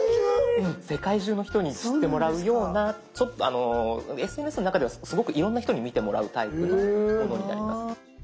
世界中の人に知ってもらうようなＳＮＳの中ではすごくいろんな人に見てもらうタイプのものになります。